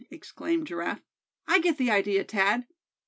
exclaimed Giraffe. "I get the idea, Thad.